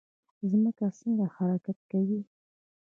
ځمکه څنګه حرکت کوي؟